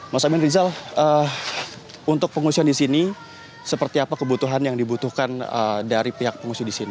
mas amin rizal untuk pengungsian di sini seperti apa kebutuhan yang dibutuhkan dari pihak pengungsi di sini